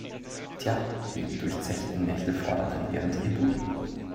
Tja, die durchzechten Nächte fordern halt ihren Tribut.